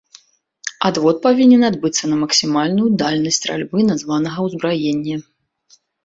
Адвод павінен адбыцца на максімальную дальнасць стральбы названага ўзбраення.